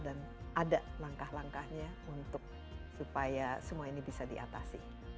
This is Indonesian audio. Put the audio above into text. dan ada langkah langkahnya untuk supaya semua ini bisa diatasi